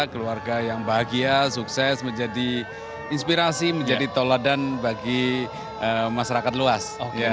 keluarga yang bahagia sukses menjadi inspirasi menjadi toladan bagi masyarakat luas